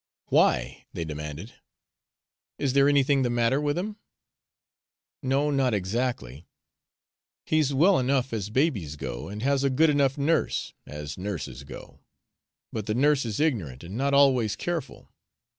"Why?" they demanded. "Is there anything the matter with him?" "No, not exactly. He's well enough, as babies go, and has a good enough nurse, as nurses go. But the nurse is ignorant, and not always careful.